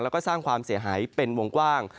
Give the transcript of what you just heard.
แล้วก็สร้างความเสียหายเป็นวงกว้าง